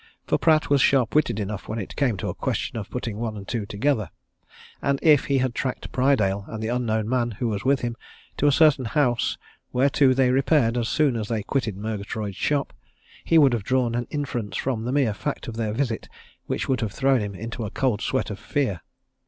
For Pratt was sharp witted enough when it came to a question of putting one and two together, and if he had tracked Prydale and the unknown man who was with him to a certain house whereto they repaired as soon as they quitted Murgatroyd's shop, he would have drawn an inference from the mere fact of their visit which would have thrown him into a cold sweat of fear.